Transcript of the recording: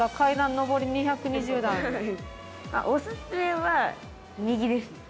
おすすめは右ですね。